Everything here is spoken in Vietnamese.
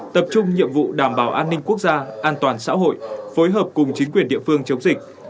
tập trung nhiệm vụ đảm bảo an ninh quốc gia an toàn xã hội phối hợp cùng chính quyền địa phương chống dịch